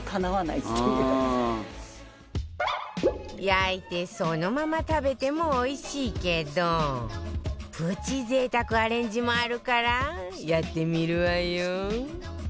焼いてそのまま食べてもおいしいけどプチ贅沢アレンジもあるからやってみるわよ